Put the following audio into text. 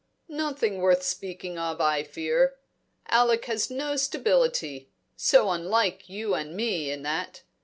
"Nothing worth speaking of, I fear. Alec has no stability so unlike you and me in that.